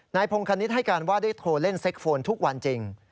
พงคณิตให้การว่าได้โทรเล่นเซ็กโฟนทุกวันจริง